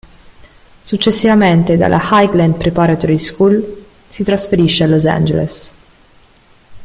Successivamente, dalla Highland Preparatory School, si trasferisce a Los Angeles.